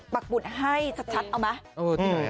ปรับบุญให้ชัดเอาไหม